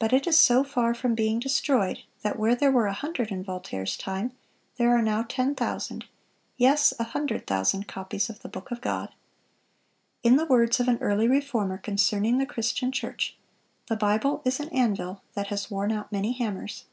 But it is so far from being destroyed, that where there were a hundred in Voltaire's time, there are now ten thousand, yes, a hundred thousand copies of the Book of God. In the words of an early Reformer concerning the Christian church, "The Bible is an anvil that has worn out many hammers."